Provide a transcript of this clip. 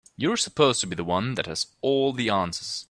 You're supposed to be the one that has all the answers.